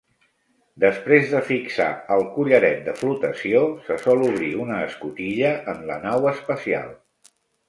Després de fixar el collaret de flotació, se sol obrir una escotilla en la nau espacial.